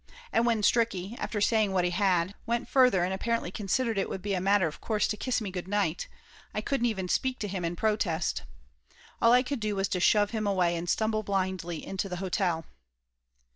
And when Stricky, after saying what he had, went further and apparently considered it would be a matter of course to kiss me good night, I couldn't even speak to him in protest. All I could do was to shove him away and stumble blindly into the hotel.